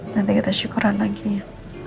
nanti kita syukuran lagi ya